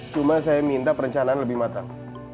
cuma saya minta perencanaan lebih matang